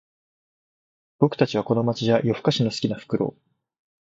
僕たちはこの街じゃ夜ふかしの好きなフクロウ